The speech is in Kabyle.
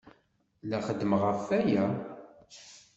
La xeddmeɣ ɣef waya.